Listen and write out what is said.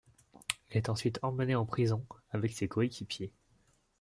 Il est ensuite emmené en prison avec ses coéquipiers.